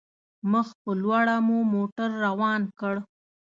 مخ په لوړه مو موټر روان کړ.